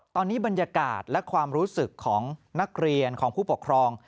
ตอนนี้บรรยากาศและความรู้สึกของนักเรียนของผู้ปกครอง